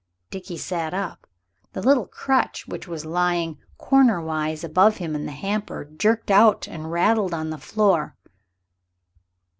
Dickie sat up. The little crutch, which was lying corner wise above him in the hamper, jerked out and rattled on the floor.